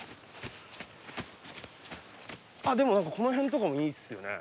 でも何かこの辺とかもいいですよね。